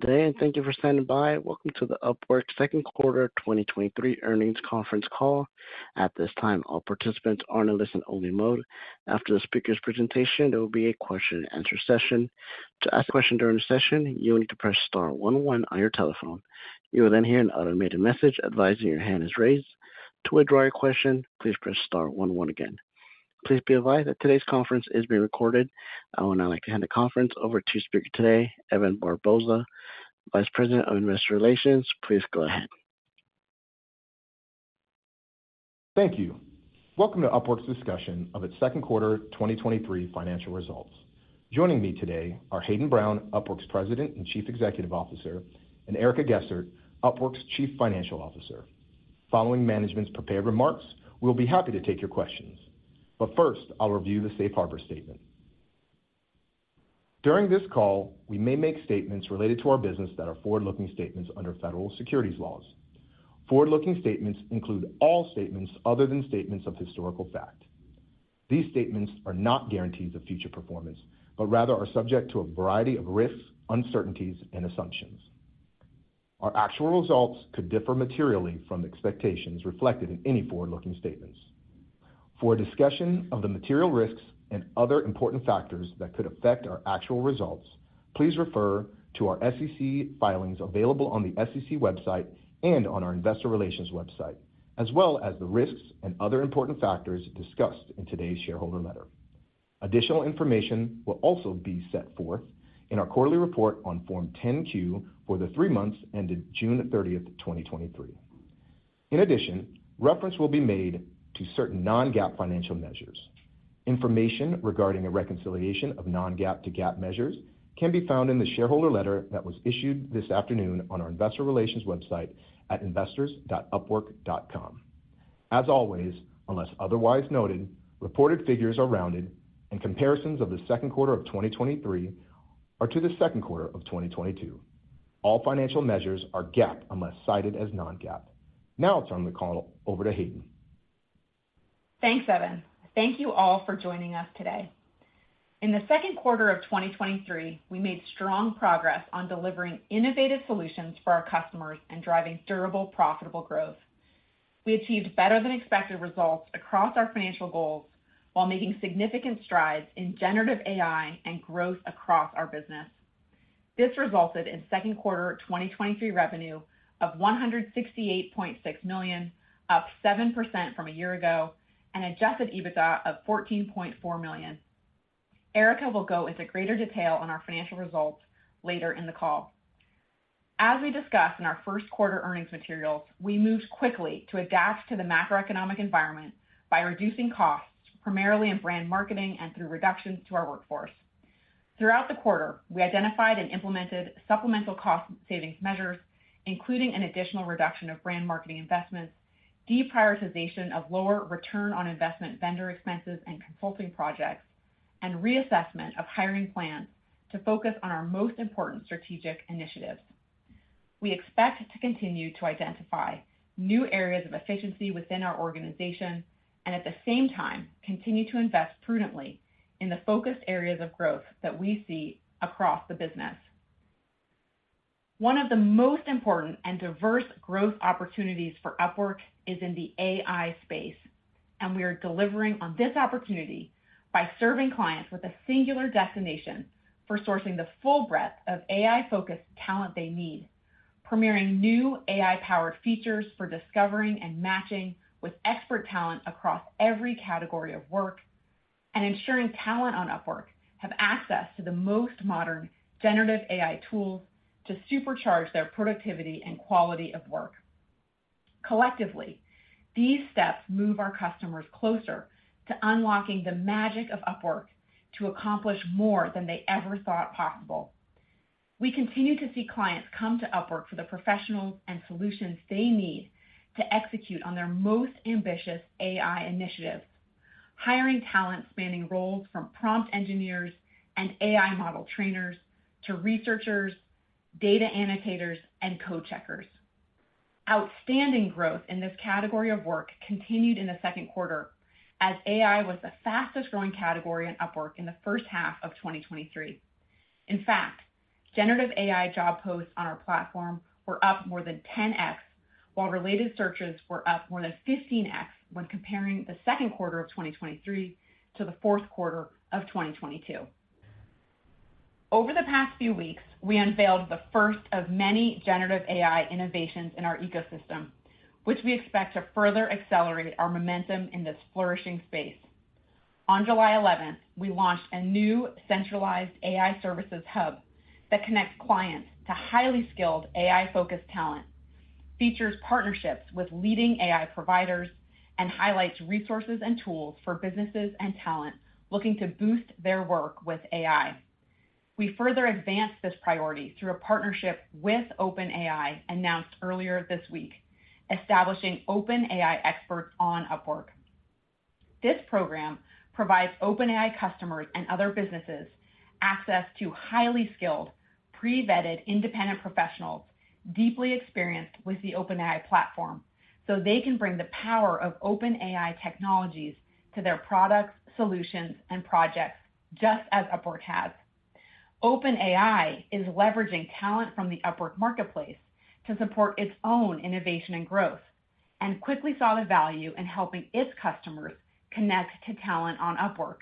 Good day, and thank you for standing by. Welcome to the Upwork second quarter 2023 earnings conference call. At this time, all participants are in a listen-only mode. After the speaker's presentation, there will be a Q&A session. To ask a question during the session, you will need to press star one, one on your telephone. You will then hear an automated message advising your hand is raised. To withdraw your question, please press star one, one again. Please be advised that today's conference is being recorded. I would now like to hand the conference over to speaker today, Evan Barbosa, Vice President of Investor Relations. Please go ahead. Thank you. Welcome to Upwork's discussion of its second quarter 2023 financial results. Joining me today are Hayden Brown, Upwork's President and Chief Executive Officer, and Erica Gessert, Upwork's Chief Financial Officer. Following management's prepared remarks, we'll be happy to take your questions. First, I'll review the safe harbor statement. During this call, we may make statements related to our business that are forward-looking statements under federal securities laws. Forward-looking statements include all statements other than statements of historical fact. These statements are not guarantees of future performance, but rather are subject to a variety of risks, uncertainties, and assumptions. Our actual results could differ materially from the expectations reflected in any forward-looking statements. For a discussion of the material risks and other important factors that could affect our actual results, please refer to our SEC filings available on the SEC website and on our investor relations website, as well as the risks and other important factors discussed in today's shareholder letter. Additional information will also be set forth in our Quarterly Report on Form 10-Q for the three months ended June 30th, 2023. In addition, reference will be made to certain non-GAAP financial measures. Information regarding a reconciliation of non-GAAP to GAAP measures can be found in the shareholder letter that was issued this afternoon on our investor relations website at investors.upwork.com. As always, unless otherwise noted, reported figures are rounded and comparisons of the second quarter of 2023 are to the second quarter of 2022. All financial measures are GAAP unless cited as non-GAAP. Now I'll turn the call over to Hayden. Thanks, Evan. Thank you all for joining us today. In the second quarter of 2023, we made strong progress on delivering innovative solutions for our customers and driving durable, profitable growth. We achieved better than expected results across our financial goals while making significant strides in generative AI and growth across our business. This resulted in second quarter 2023 revenue of $168.6 million, up 7% from a year ago, and adjusted EBITDA of $14.4 million. Erica will go into greater detail on our financial results later in the call. As we discussed in our first quarter earnings materials, we moved quickly to adapt to the macroeconomic environment by reducing costs, primarily in brand marketing and through reductions to our workforce. Throughout the quarter, we identified and implemented supplemental cost savings measures, including an additional reduction of brand marketing investments, deprioritization of lower return on investment vendor expenses and consulting projects, and reassessment of hiring plans to focus on our most important strategic initiatives. We expect to continue to identify new areas of efficiency within our organization and at the same time, continue to invest prudently in the focused areas of growth that we see across the business. One of the most important and diverse growth opportunities for Upwork is in the AI space. We are delivering on this opportunity by serving clients with a singular destination for sourcing the full breadth of AI-focused talent they need, premiering new AI-powered features for discovering and matching with expert talent across every category of work, and ensuring talent on Upwork have access to the most modern generative AI tools to supercharge their productivity and quality of work. Collectively, these steps move our customers closer to unlocking the magic of Upwork to accomplish more than they ever thought possible. We continue to see clients come to Upwork for the professionals and solutions they need to execute on their most ambitious AI initiatives, hiring talent spanning roles from prompt engineers and AI model trainers to researchers, data annotators, and code checkers. Outstanding growth in this category of work continued in the second quarter, as AI was the fastest growing category on Upwork in the first half of 2023. In fact, generative AI job posts on our platform were up more than 10x, while related searches were up more than 15x when comparing the second quarter of 2023 to the fourth quarter of 2022. Over the past few weeks, we unveiled the first of many generative AI innovations in our ecosystem, which we expect to further accelerate our momentum in this flourishing space. On July 11th, we launched a new centralized AI Services Hub that connects clients to highly skilled, AI-focused talent, features partnerships with leading AI providers, and highlights resources and tools for businesses and talent looking to boost their work with AI. We further advanced this priority through a partnership with OpenAI, announced earlier this week, establishing OpenAI Experts on Upwork. This program provides OpenAI customers and other businesses access to highly skilled, pre-vetted independent professionals, deeply experienced with the OpenAI Platform, so they can bring the power of OpenAI technologies to their products, solutions, and projects, just as Upwork has. OpenAI is leveraging talent from the Upwork Marketplace to support its own innovation and growth, and quickly saw the value in helping its customers connect to talent on Upwork,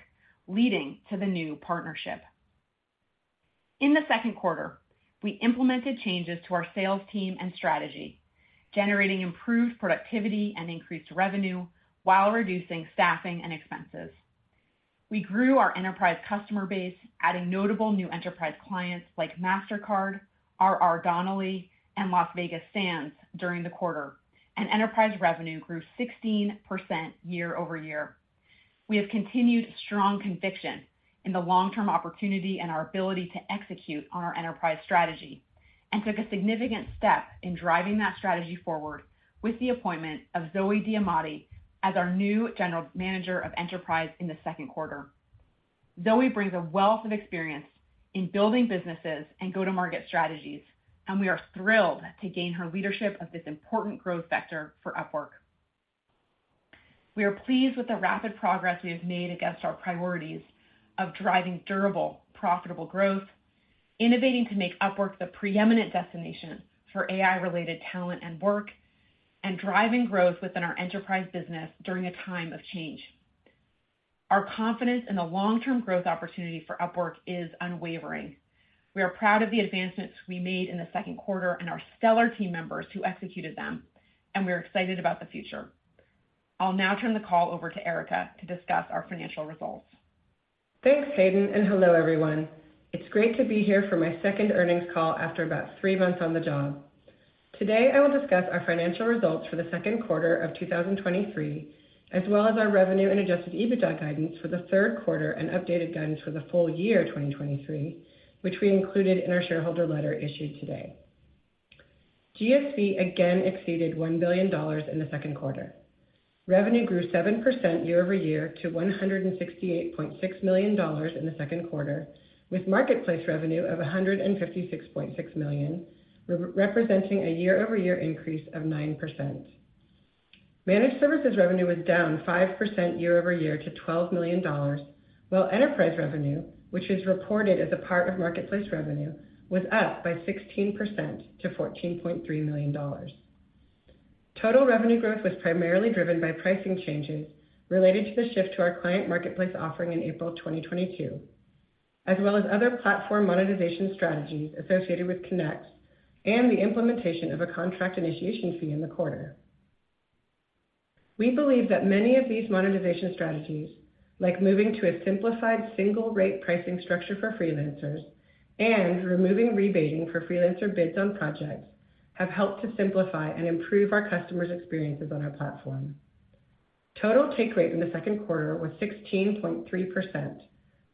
leading to the new partnership. In the second quarter, we implemented changes to our sales team and strategy, generating improved productivity and increased revenue while reducing staffing and expenses. We grew our enterprise customer base, adding notable new enterprise clients like Mastercard, RR Donnelley, and Las Vegas Sands during the quarter, and enterprise revenue grew 16% year-over-year. We have continued strong conviction in the long-term opportunity and our ability to execute on our enterprise strategy, and took a significant step in driving that strategy forward with the appointment of Zoë Diamadi as our new General Manager of Enterprise in the second quarter. Zoë brings a wealth of experience in building businesses and go-to-market strategies, and we are thrilled to gain her leadership of this important growth sector for Upwork. We are pleased with the rapid progress we have made against our priorities of driving durable, profitable growth, innovating to make Upwork the preeminent destination for AI-related talent and work, and driving growth within our enterprise business during a time of change. Our confidence in the long-term growth opportunity for Upwork is unwavering. We are proud of the advancements we made in the second quarter and our stellar team members who executed them. We are excited about the future. I'll now turn the call over to Erica to discuss our financial results. Thanks, Hayden. Hello, everyone. It's great to be here for my second earnings call after about three months on the job. Today, I will discuss our financial results for the second quarter of 2023, as well as our revenue and adjusted EBITDA guidance for the third quarter and updated guidance for the full year 2023, which we included in our shareholder letter issued today. GSV again exceeded $1 billion in the second quarter. Revenue grew 7% year-over-year to $168.6 million in the second quarter, with marketplace revenue of $156.6 million, representing a year-over-year increase of 9%. Managed services revenue was down 5% year-over-year to $12 million, while enterprise revenue, which is reported as a part of marketplace revenue, was up by 16% to $14.3 million. Total revenue growth was primarily driven by pricing changes related to the shift to our client marketplace offering in April 2022, as well as other platform monetization strategies associated with Connects and the implementation of a contract initiation fee in the quarter. We believe that many of these monetization strategies, like moving to a simplified single rate pricing structure for freelancers and removing rebating for freelancer bids on projects, have helped to simplify and improve our customers' experiences on our platform. Total take rate in the second quarter was 16.3%,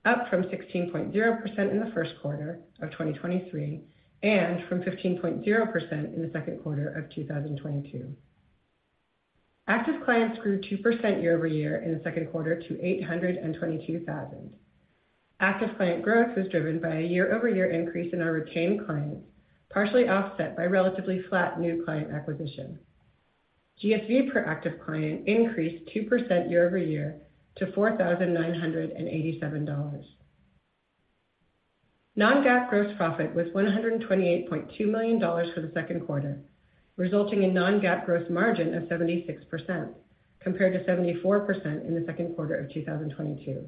up from 16.0% in the first quarter of 2023, and from 15.0% in the second quarter of 2022. Active clients grew 2% year-over-year in the second quarter to $822,000. Active client growth was driven by a year-over-year increase in our retained clients, partially offset by relatively flat new client acquisition. GSV per active client increased 2% year-over-year to $4,987. Non-GAAP gross profit was $128.2 million for the second quarter, resulting in non-GAAP gross margin of 76%, compared to 74% in the second quarter of 2022.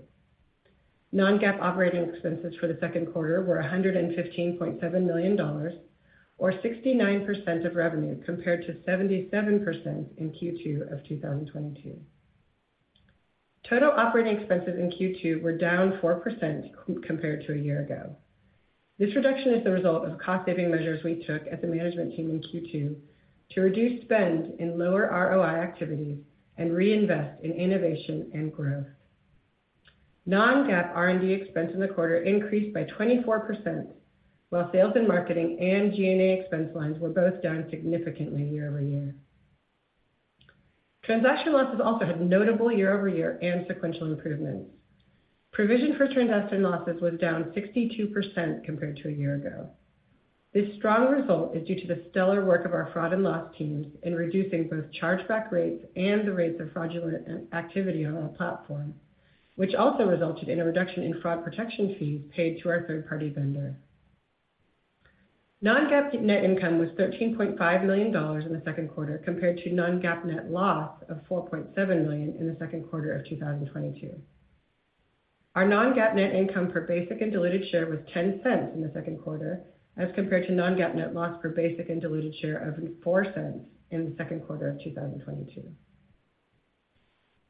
Non-GAAP operating expenses for the second quarter were $115.7 million or 69% of revenue, compared to 77% in Q2 of 2022. Total operating expenses in Q2 were down 4% compared to a year ago. This reduction is the result of cost-saving measures we took as a management team in Q2 to reduce spend in lower ROI activities and reinvest in innovation and growth. Non-GAAP R&D expense in the quarter increased by 24%, while sales and marketing and G&A expense lines were both down significantly year-over-year. Transaction losses also had notable year-over-year and sequential improvements. Provision for transaction losses was down 62% compared to a year ago. This strong result is due to the stellar work of our fraud and loss teams in reducing both chargeback rates and the rates of fraudulent activity on our platform, which also resulted in a reduction in fraud protection fees paid to our third-party vendor. Non-GAAP net income was $13.5 million in the second quarter, compared to non-GAAP net loss of $4.7 million in the second quarter of 2022. Our non-GAAP net income per basic and diluted share was $0.10 in the second quarter, as compared to non-GAAP net loss per basic and diluted share of $0.04 in the second quarter of 2022.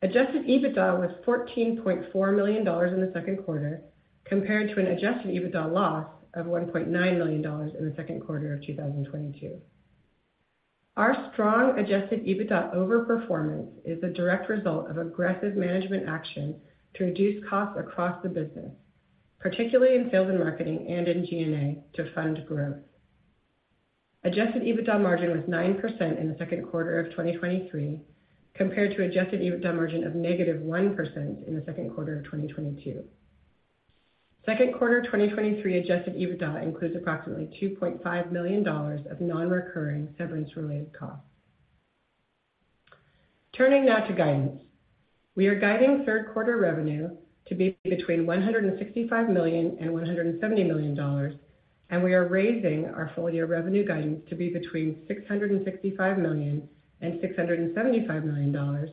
Adjusted EBITDA was $14.4 million in the second quarter, compared to an adjusted EBITDA loss of $1.9 million in the second quarter of 2022. Our strong adjusted EBITDA overperformance is a direct result of aggressive management action to reduce costs across the business, particularly in sales and marketing and in G&A, to fund growth. Adjusted EBITDA margin was 9% in the second quarter of 2023, compared to adjusted EBITDA margin of negative 1% in the second quarter of 2022. Second quarter 2023 adjusted EBITDA includes approximately $2.5 million of non-recurring severance-related costs. Turning now to guidance. We are guiding third quarter revenue to be between $165 million and $170 million, and we are raising our full-year revenue guidance to be between $665 million and $675 million,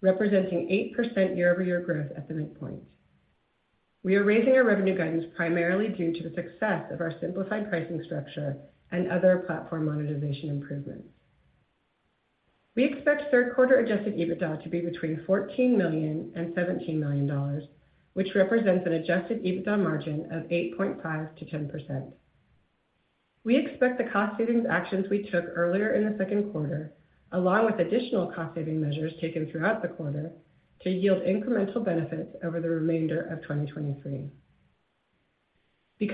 representing 8% year-over-year growth at the midpoint. We are raising our revenue guidance primarily due to the success of our simplified pricing structure and other platform monetization improvements. We expect third quarter adjusted EBITDA to be between $14 million and $17 million, which represents an adjusted EBITDA margin of 8.5%-10%. We expect the cost-savings actions we took earlier in the second quarter, along with additional cost-saving measures taken throughout the quarter, to yield incremental benefits over the remainder of 2023.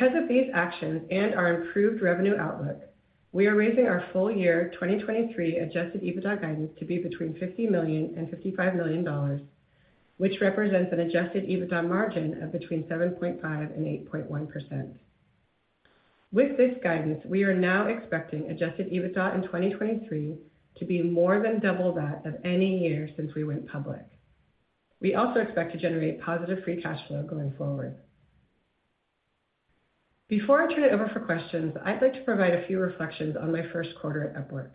Of these actions and our improved revenue outlook, we are raising our full-year 2023 adjusted EBITDA guidance to be between $50 million and $55 million, which represents an adjusted EBITDA margin of between 7.5% and 8.1%. With this guidance, we are now expecting adjusted EBITDA in 2023 to be more than double that of any year since we went public. We also expect to generate positive free cash flow going forward. Before I turn it over for questions, I'd like to provide a few reflections on my first quarter at Upwork.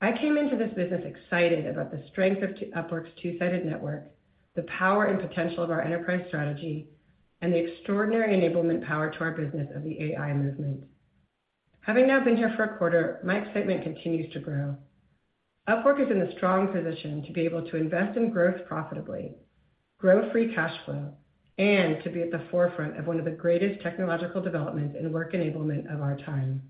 I came into this business excited about the strength of Upwork's two-sided network, the power and potential of our enterprise strategy, and the extraordinary enablement power to our business of the AI moment. Having now been here for a quarter, my excitement continues to grow. Upwork is in a strong position to be able to invest in growth profitably, grow free cash flow, and to be at the forefront of one of the greatest technological developments in work enablement of our time.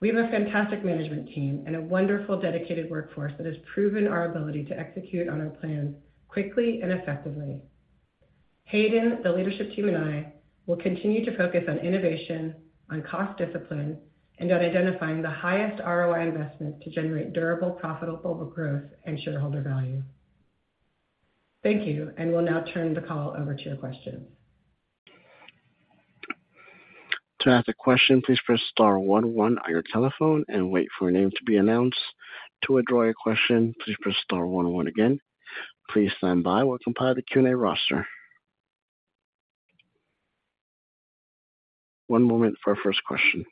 We have a fantastic management team and a wonderful, dedicated workforce that has proven our ability to execute on our plans quickly and effectively. Hayden, the leadership team, and I will continue to focus on innovation, on cost discipline, and on identifying the highest ROI investment to generate durable, profitable growth and shareholder value. Thank you. We'll now turn the call over to your questions. To ask a question, please press star one one on your telephone and wait for your name to be announced. To withdraw your question, please press star one one again. Please stand by while we compile the Q&A roster. One moment for our first question.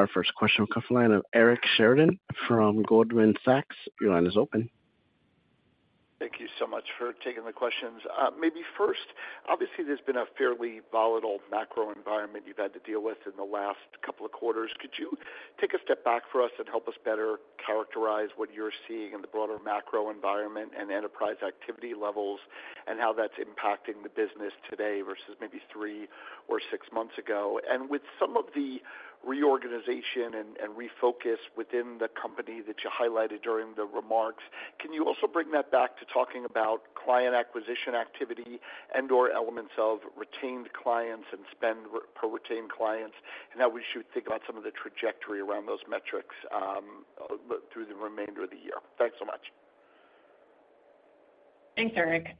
Our first question will come from the line of Eric Sheridan from Goldman Sachs. Your line is open. Thank you so much for taking the questions. Maybe first, obviously, there's been a fairly volatile macro environment you've had to deal with in the last couple of quarters. Could you take a step back for us and help us better characterize what you're seeing in the broader macro environment and enterprise activity levels, and how that's impacting the business today versus maybe three or six months ago? With some of the reorganization and, and refocus within the company that you highlighted during the remarks, can you also bring that back to talking about client acquisition activity and/or elements of retained clients and spend per retained clients, and how we should think about some of the trajectory around those metrics through the remainder of the year? Thanks so much. Thanks, Eric.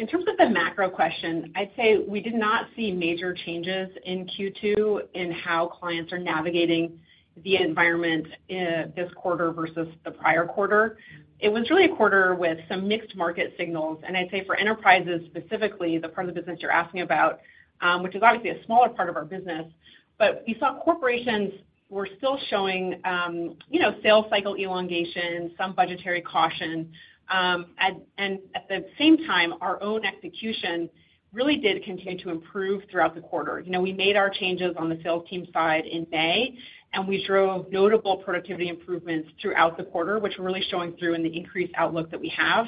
In terms of the macro question, I'd say we did not see major changes in Q2 in how clients are navigating the environment, this quarter versus the prior quarter. It was really a quarter with some mixed market signals, and I'd say for enterprises, specifically, the part of the business you're asking about, which is obviously a smaller part of our business, but we saw corporations were still showing, sales cycle elongation, some budgetary caution, and at the same time, our own execution really did continue to improve throughout the quarter. We made our changes on the sales team side in May, and we drove notable productivity improvements throughout the quarter, which are really showing through in the increased outlook that we have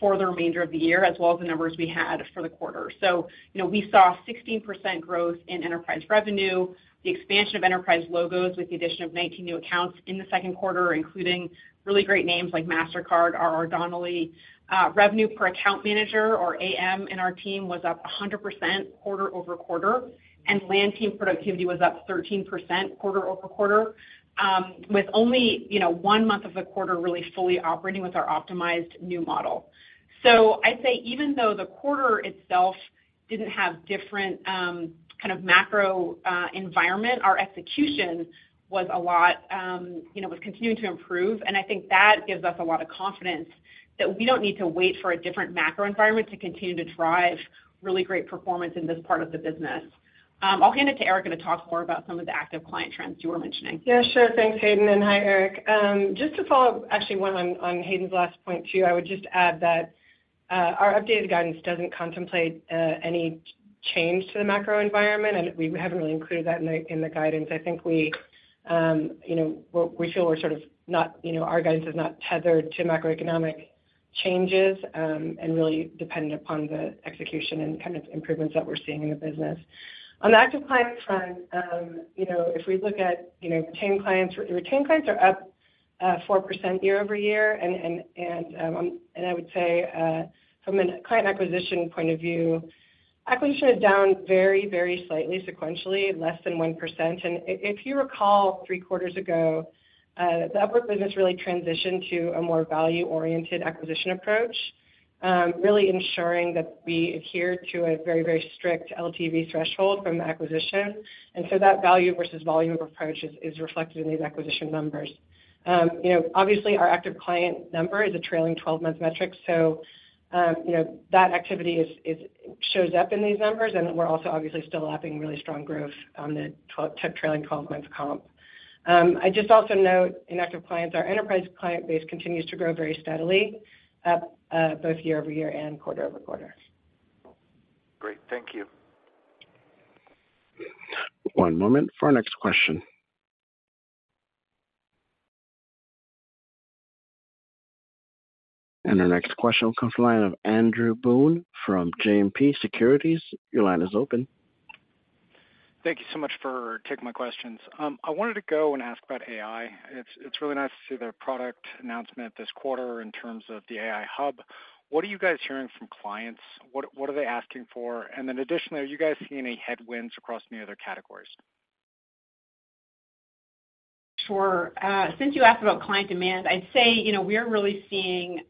for the remainder of the year, as well as the numbers we had for the quarter. We saw 16% growth in enterprise revenue, the expansion of enterprise logos with the addition of 19 new accounts in the second quarter, including really great names like Mastercard, RR Donnelley. Revenue per account manager or AM in our team was up 100% quarter-over-quarter, and land team productivity was up 13% quarter-over-quarter, with only one month of the quarter really fully operating with our optimized new model. I'd say even though the quarter itself didn't have different, kind of macro environment, our execution was a lot, was continuing to improve, and I think that gives us a lot of confidence that we don't need to wait for a different macro environment to continue to drive really great performance in this part of the business. I'll hand it to Erica to talk more about some of the active client trends you were mentioning. Yeah, sure. Thanks, Hayden, and hi, Eric. just to follow up, actually, one on, on Hayden's last point, too, I would just add that our updated guidance doesn't contemplate any change to the macro environment, and we haven't really included that in the, in the guidance. I think we, we feel we're sort of our guidance is not tethered to macroeconomic changes, and really dependent upon the execution and kind of improvements that we're seeing in the business. On the active client front, if we look at retained clients, retained clients are up, 4% year-over-year, and, and, and I would say, from a client acquisition point of view, acquisition is down very, very slightly, sequentially, less than 1%. If you recall, three quarters ago, the Upwork business really transitioned to a more value-oriented acquisition approach, really ensuring that we adhere to a very, very strict LTV threshold from the acquisition. So that value versus volume approach is shows up in these acquisition numbers. Obviously, our active client number is a trailing 12-month metric, so that activity is shows up in these numbers, and we're also obviously still lapping really strong growth on the trailing 12 months comp. I just also note, in active clients, our enterprise client base continues to grow very steadily, up both year-over-year and quarter-over-quarter. Great. Thank you. One moment for our next question. Our next question comes from the line of Andrew Boone from JMP Securities. Your line is open. Thank you so much for taking my questions. I wanted to go and ask about AI. It's, it's really nice to see the product announcement this quarter in terms of the AI hub. What are you guys hearing from clients? What, what are they asking for? Then additionally, are you guys seeing any headwinds across any other categories? Sure. Since you asked about client demand, I'd say, you know, we are really seeing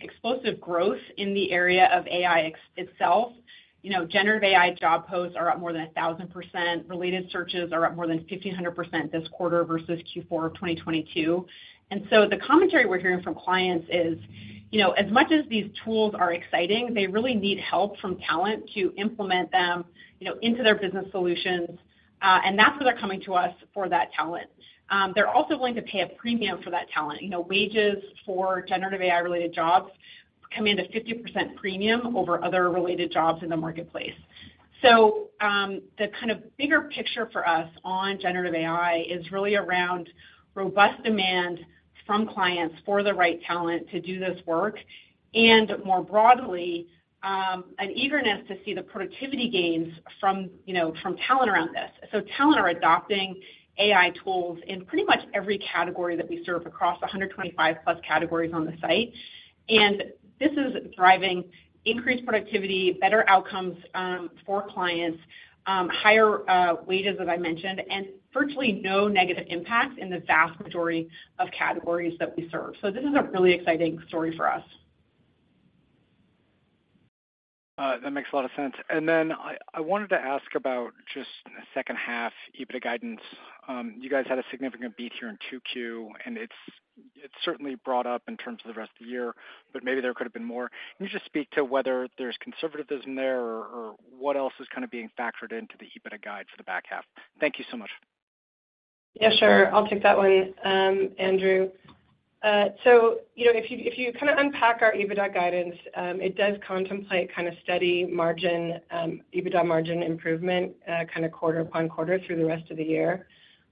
explosive growth in the area of AI itself. You know, generative AI job posts are up more than 1,000%. Related searches are up more than 1,500% this quarter versus Q4 of 2022. So the commentary we're hearing from clients is, you know, as much as these tools are exciting, they really need help from talent to implement them, you know, into their business solutions, and that's why they're coming to us for that talent. They're also willing to pay a premium for that talent. You know, wages for generative AI-related jobs command a 50% premium over other related jobs in the marketplace. The kind of bigger picture for us on generative AI is really around robust demand from clients for the right talent to do this work, and more broadly, an eagerness to see the productivity gains from, you know, from talent around this. Talent are adopting AI tools in pretty much every category that we serve across the 125+ categories on the site. This is driving increased productivity, better outcomes for clients, higher wages, as I mentioned, and virtually no negative impact in the vast majority of categories that we serve. This is a really exciting story for us. That makes a lot of sense. I wanted to ask about just the second half, EBITDA guidance. You guys had a significant beat here in 2Q, and it's certainly brought up in terms of the rest of the year, but maybe there could have been more. Can you just speak to whether there's conservatism there or, or what else is kind of being factored into the EBITDA guide for the back half? Thank you so much. Yeah, sure. I'll take that one, Andrew. You know, if you, if you kind of unpack our EBITDA guidance, it does contemplate kind of steady margin, EBITDA margin improvement, kind of quarter upon quarter through the rest of the year.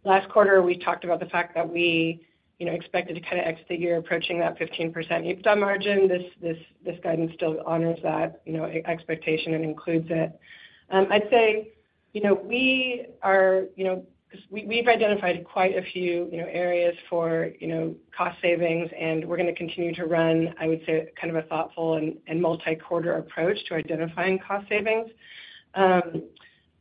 Last quarter, we talked about the fact that we, you know, expected to kind of exit the year approaching that 15% EBITDA margin. This, this, this guidance still honors that, you know, expectation and includes it. I'd say, you know, we are, you know. We, we've identified quite a few, you know, areas for, you know, cost savings, and we're gonna continue to run, I would say, kind of a thoughtful and, and multi-quarter approach to identifying cost savings.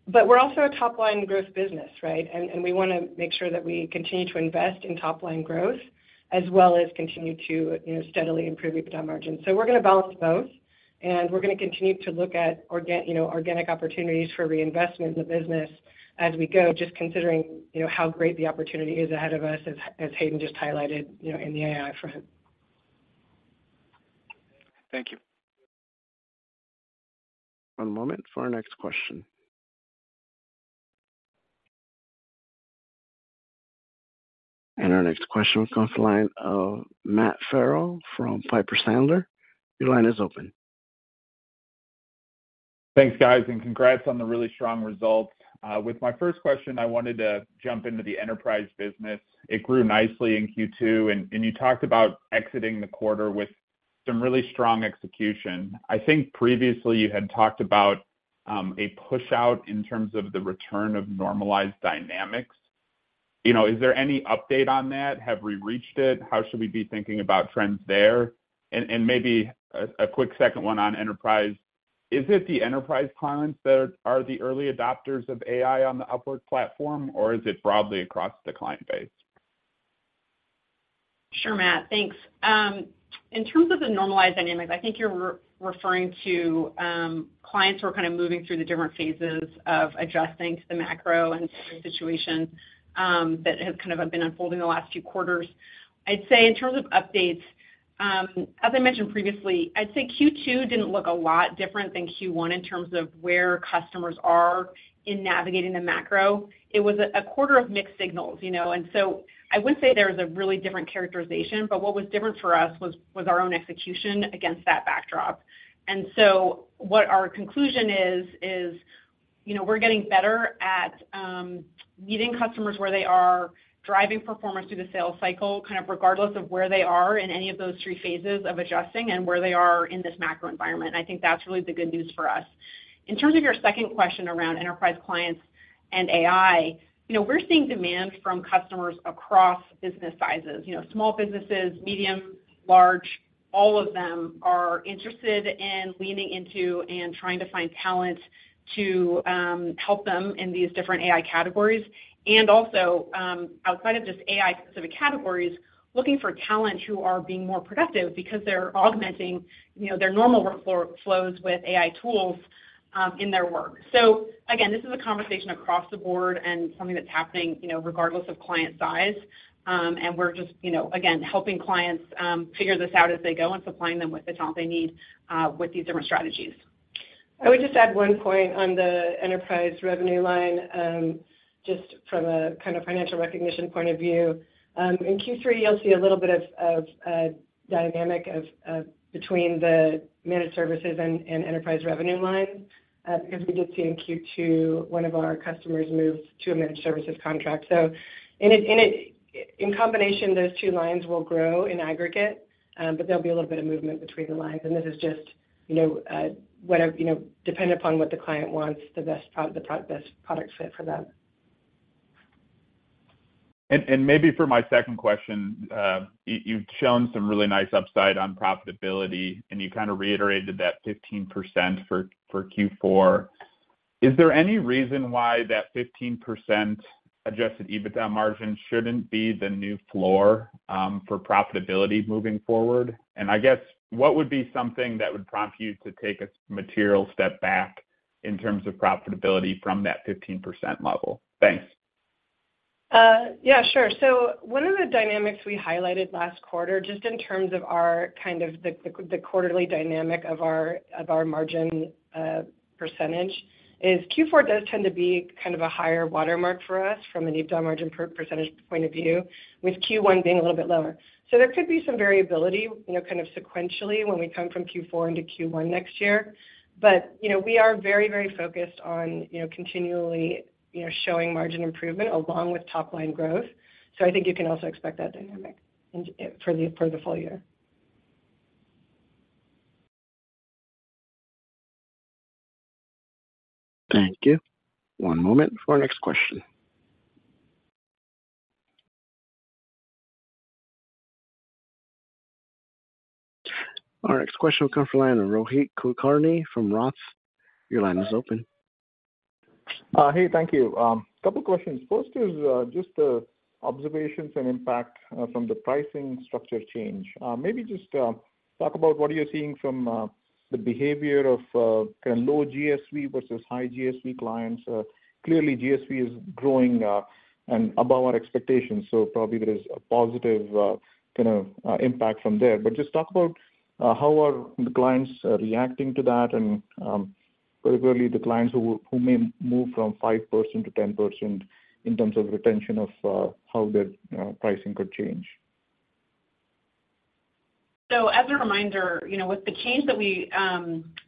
We're also a top-line growth business, right? We wanna make sure that we continue to invest in top-line growth, as well as continue to, you know, steadily improve EBITDA margins. We're gonna balance both, and we're gonna continue to look at you know, organic opportunities for reinvestment in the business as we go, just considering, you know, how great the opportunity is ahead of us, as, as Hayden just highlighted, you know, in the AI front. Thank you. One moment for our next question. Our next question comes from the line of Matt Farrell from Piper Sandler. Your line is open. Thanks, guys, and congrats on the really strong results. With my first question, I wanted to jump into the enterprise business. It grew nicely in Q2, and you talked about exiting the quarter with some really strong execution. I think previously you had talked about a pushout in terms of the return of normalized dynamics. You know, is there any update on that? Have we reached it? How should we be thinking about trends there? Maybe a, a quick second one on enterprise: Is it the enterprise clients that are the early adopters of AI on the Upwork platform, or is it broadly across the client base? Sure, Matt, thanks. In terms of the normalized dynamics, I think you're referring to clients who are kind of moving through the different phases of adjusting to the macro and situation that has kind of been unfolding the last few quarters. I'd say in terms of updates, as I mentioned previously, I'd say Q2 didn't look a lot different than Q1 in terms of where customers are in navigating the macro. It was a quarter of mixed signals, you know, and so I would say there was a really different characterization, but what was different for us was our own execution against that backdrop. What our conclusion is, is, you know, we're getting better at meeting customers where they are, driving performance through the sales cycle, kind of regardless of where they are in any of those three phases of adjusting and where they are in this macro environment. I think that's really the good news for us. In terms of your second question around enterprise clients and AI, you know, we're seeing demand from customers across business sizes. You know, small businesses, medium, large, all of them are interested in leaning into and trying to find talent to help them in these different AI categories. Also, outside of just AI-specific categories, looking for talent who are being more productive because they're augmenting, you know, their normal workflows with AI tools in their work. Again, this is a conversation across the board and something that's happening, you know, regardless of client size. We're just, you know, again, helping clients figure this out as they go and supplying them with the talent they need with these different strategies. I would just add one point on the enterprise revenue line, just from a kind of financial recognition point of view. In Q3, you'll see a little bit of, of dynamic of, of between the managed services and, and enterprise revenue lines, because we did see in Q2, one of our customers move to a managed services contract. In a, in a, in combination, those two lines will grow in aggregate, but there'll be a little bit of movement between the lines, and this is just, you know, whatever, you know, dependent upon what the client wants, the best pro- the pro- best product fit for them. And maybe for my second question, you, you've shown some really nice upside on profitability, and you kind of reiterated that 15% for, for Q4. Is there any reason why that 15% adjusted EBITDA margin shouldn't be the new floor, for profitability moving forward? I guess, what would be something that would prompt you to take a material step back in terms of profitability from that 15% level? Thanks. Yeah, sure. One of the dynamics we highlighted last quarter, just in terms of our kind of the, the quarterly dynamic of our, of our margin percentage, is Q4 does tend to be kind of a higher watermark for us from an EBITDA margin percentage point of view, with Q1 being a little bit lower. There could be some variability, you know, kind of sequentially when we come from Q4 into Q1 next year. We are very, very focused on, you know, continually, you know, showing margin improvement along with top-line growth. I think you can also expect that dynamic in, for the, for the full year. Thank you. One moment for our next question. Our next question will come from the line of Rohit Kulkarni from Roth. Your line is open. Hey, thank you. Couple questions. First is, just the observations and impact from the pricing structure change. Maybe just talk about what you're seeing from the behavior of kind of low GSV versus high GSV clients. Clearly, GSV is growing and above our expectations, so probably there is a positive kind of impact from there. Just talk about how are the clients reacting to that and particularly the clients who, who may move from 5% to 10% in terms of retention of how the pricing could change? As a reminder, you know, with the change that we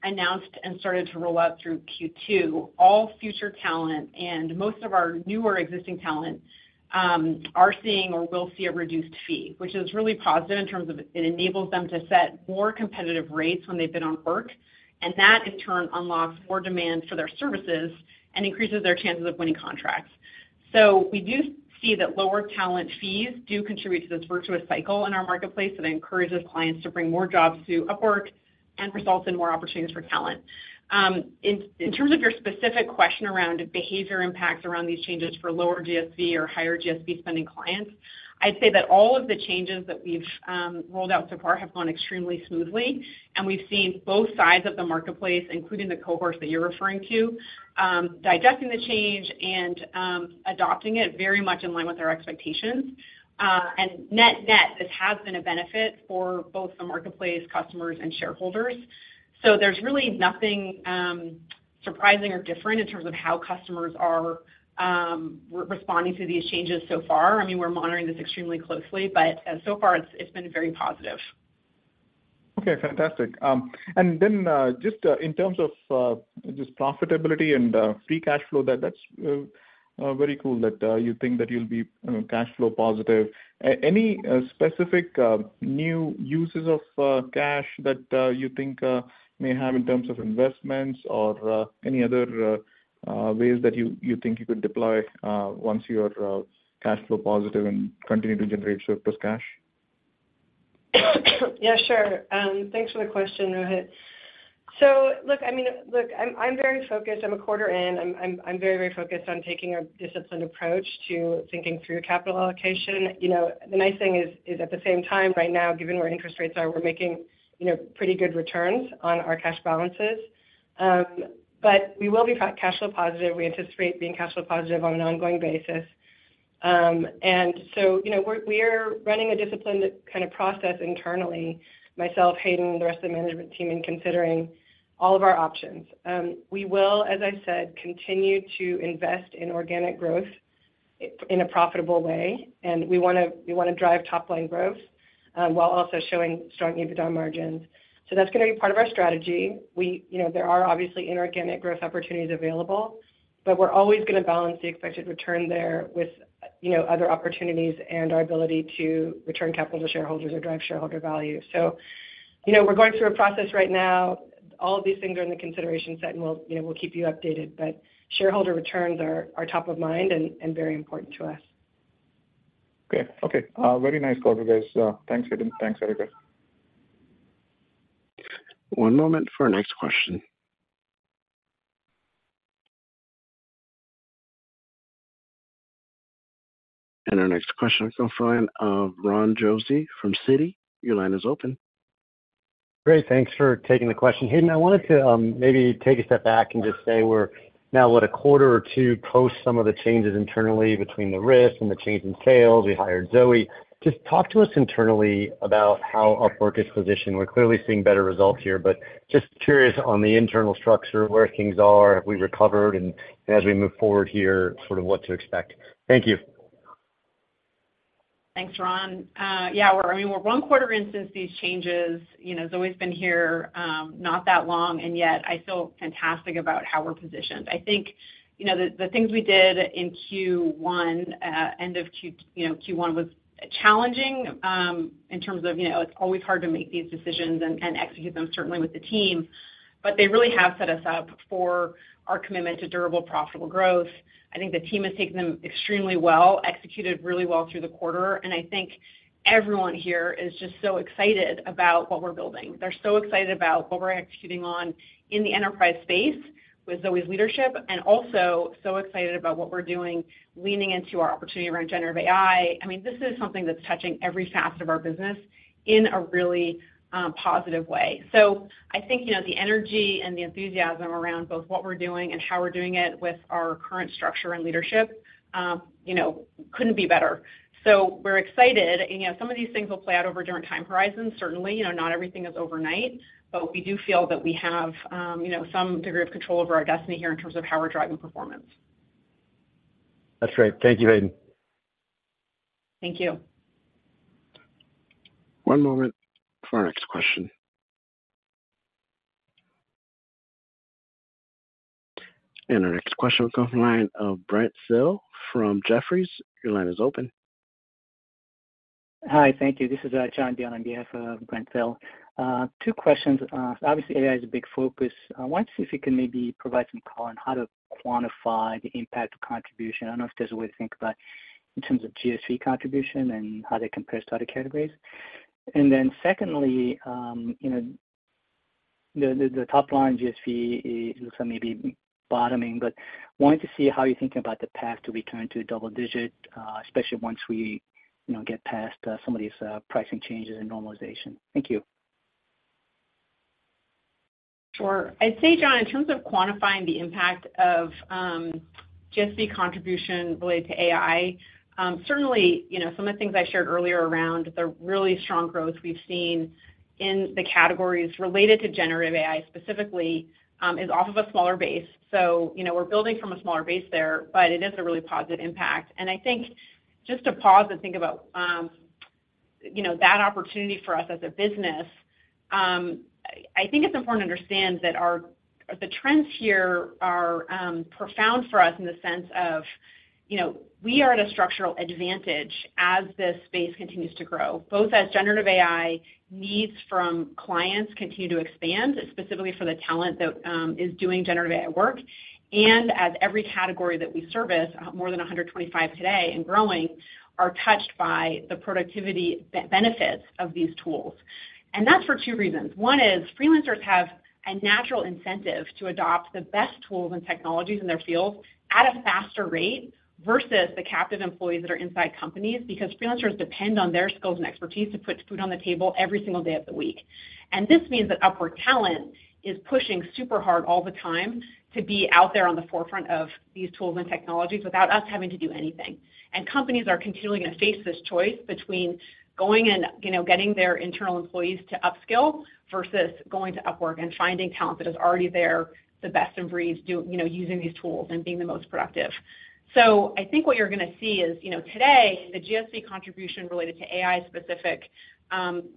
announced and started to roll out through Q2, all future talent and most of our newer existing talent are seeing or will see a reduced fee, which is really positive in terms of it enables them to set more competitive rates when they bid on work, and that, in turn, unlocks more demand for their services and increases their chances of winning contracts. We do see that lower talent fees do contribute to this virtuous cycle in our marketplace, that encourages clients to bring more jobs to Upwork and results in more opportunities for talent. In, in terms of your specific question around behavior impacts around these changes for lower GSV or higher GSV-spending clients, I'd say that all of the changes that we've rolled out so far have gone extremely smoothly, and we've seen both sides of the marketplace, including the cohorts that you're referring to, digesting the change and adopting it very much in line with our expectations. Net-net, this has been a benefit for both the marketplace, customers and shareholders. There's really nothing surprising or different in terms of how customers are re-responding to these changes so far. I mean, we're monitoring this extremely closely, but so far it's, it's been very positive. Okay, fantastic. Just in terms of just profitability and free cash flow, that's very cool that you think that you'll be, you know, cash flow positive. Any specific new uses of cash that you think may have in terms of investments or any other ways that you, you think you could deploy once you are cash flow positive and continue to generate surplus cash? Yeah, sure. Thanks for the question, Rohit. Look, I mean, look, I'm, I'm very focused. I'm a quarter in, I'm, I'm, I'm very, very focused on taking a disciplined approach to thinking through capital allocation. You know, the nice thing is, is at the same time, right now, given where interest rates are, we're making, you know, pretty good returns on our cash balances. We will be cash flow positive. We anticipate being cash flow positive on an ongoing basis. You know, we are running a disciplined kind of process internally, myself, Hayden, and the rest of the management team, in considering all of our options. We will, as I said, continue to invest in organic growth in a profitable way, and we wanna, we wanna drive top-line growth, while also showing strong EBITDA margins. That's gonna be part of our strategy. We. You know, there are obviously inorganic growth opportunities available, but we're always gonna balance the expected return there with, you know, other opportunities and our ability to return capital to shareholders or drive shareholder value. You know, we're going through a process right now. All of these things are in the consideration set, and we'll, you know, we'll keep you updated, but shareholder returns are, are top of mind and, and very important to us. Great. Okay, very nice call, you guys. Thanks, Hayden. Thanks, everybody. One moment for our next question. Our next question comes from, Ron Josey from Citi. Your line is open. Great. Thanks for taking the question. Hayden, I wanted to maybe take a step back and just say we're now, what? A quarter or two post some of the changes internally between the risk and the change in sales. We hired Zoë. Just talk to us internally about how Upwork is positioned. We're clearly seeing better results here, but just curious on the internal structure, where things are, have we recovered, and as we move forward here, sort of what to expect. Thank you. Thanks, Ron. Yeah, we're, I mean, we're 1 quarter into these changes. You know, Zoë's been here, not that long, and yet I feel fantastic about how we're positioned. I think, you know, the, the things we did in Q1, you know, Q1 was challenging, in terms of, you know, it's always hard to make these decisions and execute them, certainly with the team. They really have set us up for our commitment to durable, profitable growth. I think the team has taken them extremely well, executed really well through the quarter, and I think everyone here is just so excited about what we're building. They're so excited about what we're executing on in the enterprise space with Zoë's leadership, and also so excited about what we're doing, leaning into our opportunity around generative AI. I mean, this is something that's touching every facet of our business in a really, positive way. I think, you know, the energy and the enthusiasm around both what we're doing and how we're doing it with our current structure and leadership, you know, couldn't be better. We're excited. You know, some of these things will play out over different time horizons, certainly, you know, not everything is overnight, but we do feel that we have, you know, some degree of control over our destiny here in terms of how we're driving performance. That's great. Thank you, Hayden. Thank you. One moment for our next question. Our next question comes from the line of Brent Thill from Jefferies. Your line is open. Hi, thank you. This is John on behalf of Brent Thill. Two questions. Obviously, AI is a big focus. I want to see if you can maybe provide some color on how to quantify the impact of contribution. I don't know if there's a way to think about in terms of GSV contribution and how they compare to other categories. Then secondly, you know, the, the, the top line GSV is also maybe bottoming, wanted to see how you're thinking about the path to return to double-digit, especially once we, you know, get past some of these pricing changes and normalization. Thank you. Sure. I'd say, John, in terms of quantifying the impact of GSV contribution related to AI, certainly, you know, some of the things I shared earlier around the really strong growth we've seen in the categories related to generative AI specifically, is off of a smaller base. You know, we're building from a smaller base there, but it is a really positive impact. I think just to pause and think about, you know, that opportunity for us as a business, I think it's important to understand that the trends here are profound for us in the sense of, you know, we are at a structural advantage as this space continues to grow, both as generative AI needs from clients continue to expand, specifically for the talent that is doing generative AI work. As every category that we service, more than 125 today and growing, are touched by the productivity benefits of these tools. That's for two reasons. One is freelancers have a natural incentive to adopt the best tools and technologies in their fields at a faster rate versus the captive employees that are inside companies, because freelancers depend on their skills and expertise to put food on the table every single day of the week. This means that Upwork talent is pushing super hard all the time to be out there on the forefront of these tools and technologies without us having to do anything. Companies are continually going to face this choice between going and, you know, getting their internal employees to upskill versus going to Upwork and finding talent that is already there, the best and breeze, do, you know, using these tools and being the most productive. I think what you're gonna see is, you know, today, the GSV contribution related to AI-specific,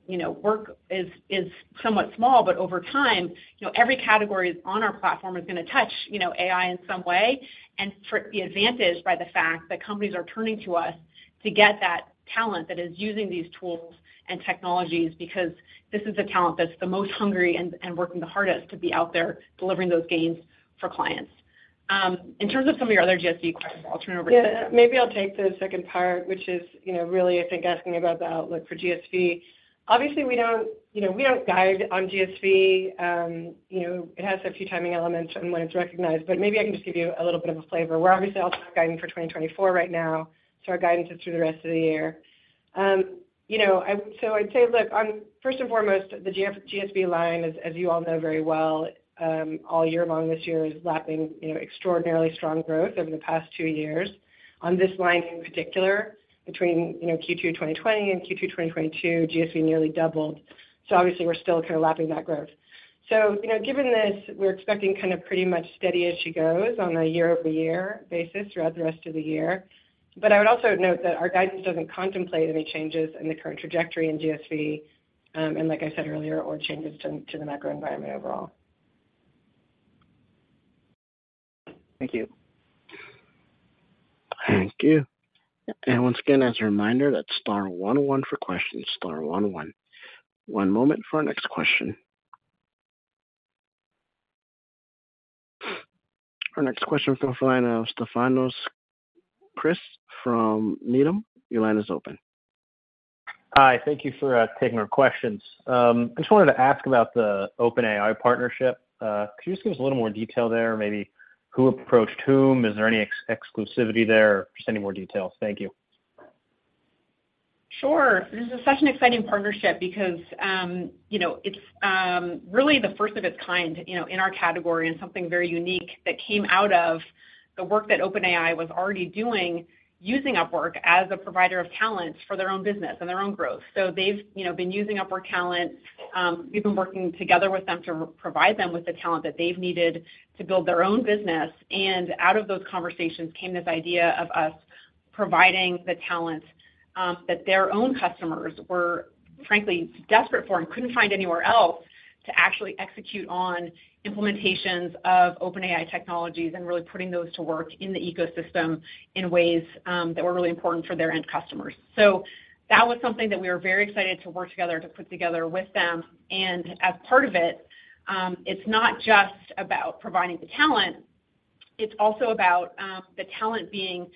you know, work is somewhat small, but over time, you know, every category on our platform is gonna touch, you know, AI in some way. For the advantage by the fact that companies are turning to us to get that talent that is using these tools and technologies, because this is the talent that's the most hungry and working the hardest to be out there delivering those gains for clients. In terms of some of your other GSV questions, I'll turn it over to... Yeah, maybe I'll take the second part, which is, you know, really, I think, asking about the outlook for GSV. Obviously, we don't, you know, we don't guide on GSV. You know, it has a few timing elements on when it's recognized, but maybe I can just give you a little bit of a flavor. We're obviously also guiding for 2024 right now, so our guidance is through the rest of the year. You know, I'd say, look, on first and foremost, the GSV line, as, as you all know very well, all year long this year, is lapping, you know, extraordinarily strong growth over the past two years. On this line, in particular, between, you know, Q2 2020 and Q2 2022, GSV nearly doubled. Obviously, we're still kind of lapping that growth. You know, given this, we're expecting kind of pretty much steady as she goes on a year-over-year basis throughout the rest of the year. I would also note that our guidance doesn't contemplate any changes in the current trajectory in GSV, and like I said earlier, or changes to the macro environment overall. Thank you. Thank you. Once again, as a reminder, that's star one one for questions, star one one. One moment for our next question. Our next question from the line of Stefanos Crist from Needham. Your line is open. Hi, thank you for taking our questions. I just wanted to ask about the OpenAI partnership. Could you just give us a little more detail there? Maybe who approached whom? Is there any exclusivity there? Just any more details. Thank you. Sure. This is such an exciting partnership because, you know, it's really the first of its kind, you know, in our category, and something very unique that came out of the work that OpenAI was already doing, using Upwork as a provider of talent for their own business and their own growth. So they've, you know, been using Upwork talent. We've been working together with them to provide them with the talent that they've needed to build their own business. And out of those conversations came this idea of us providing the talent that their own customers were frankly desperate for and couldn't find anywhere else to actually execute on implementations of OpenAI technologies and really putting those to work in the ecosystem in ways that were really important for their end customers. That was something that we were very excited to work together to put together with them. As part of it, it's not just about providing the talent, it's also about the talent being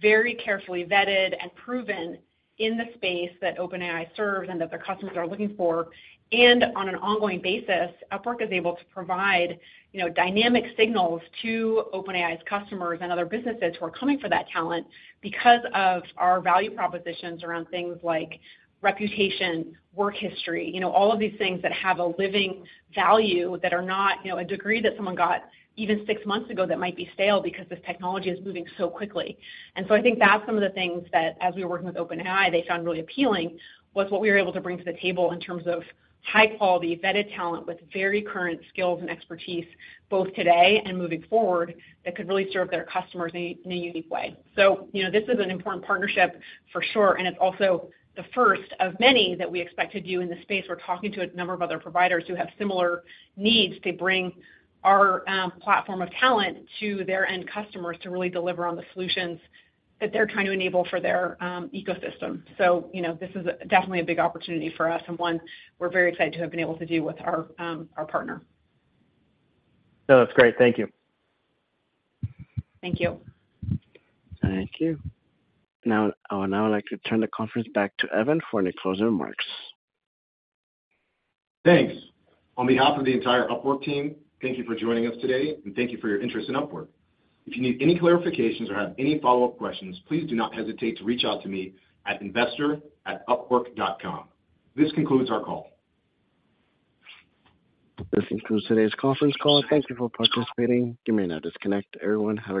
very carefully vetted and proven in the space that OpenAI serves and that their customers are looking for. On an ongoing basis, Upwork is able to provide, you know, dynamic signals to OpenAI's customers and other businesses who are coming for that talent because of our value propositions around things like reputation, work history, you know, all of these things that have a living value that are not, you know, a degree that someone got even six months ago that might be stale because this technology is moving so quickly. I think that's some of the things that as we were working with OpenAI, they found really appealing, was what we were able to bring to the table in terms of high-quality, vetted talent with very current skills and expertise, both today and moving forward, that could really serve their customers in a, in a unique way. You know, this is an important partnership for sure, and it's also the first of many that we expect to do in this space. We're talking to a number of other providers who have similar needs to bring our platform of talent to their end customers to really deliver on the solutions that they're trying to enable for their ecosystem. You know, this is definitely a big opportunity for us, and one we're very excited to have been able to do with our partner. That's great. Thank you. Thank you. Thank you. I would now like to turn the conference back to Evan for any closing remarks. Thanks! On behalf of the entire Upwork team, thank you for joining us today, and thank you for your interest in Upwork. If you need any clarifications or have any follow-up questions, please do not hesitate to reach out to me at investor at upwork.com. This concludes our call. This concludes today's conference call. Thank you for participating. You may now disconnect. Everyone, have a great day.